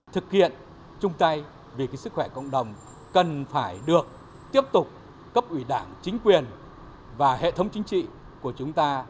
thực hiện chung tay vì sức khỏe cộng đồng cần phải được tiếp tục cấp ủy đảng chính quyền và hệ thống chính trị của chúng ta